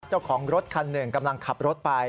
เจ้าของรถคันหนึ่งกำลังขับรถไป